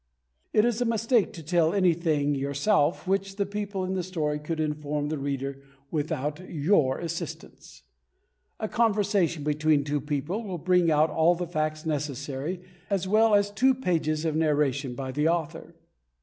It is a mistake to tell anything yourself which the people in the story could inform the reader without your assistance. A conversation between two people will bring out all the facts necessary as well as two pages of narration by the author.